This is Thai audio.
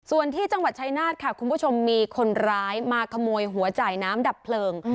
ส่วนที่จังหวัดชายนาฏค่ะคุณผู้ชมมีคนร้ายมาขโมยหัวจ่ายน้ำดับเพลิง